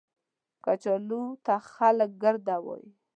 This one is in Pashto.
کچالو ته خلک ګرده وايي